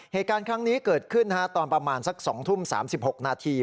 เหตุการณ์ครั้งนี้เกิดขึ้นตอนประมาณสัก๒ทุ่ม๓๖นาที